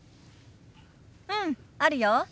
うんあるよ。